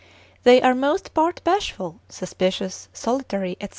They are most part bashful, suspicious, solitary, &c.